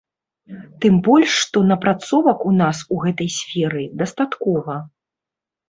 Тым больш што напрацовак у нас у гэтай сферы дастаткова.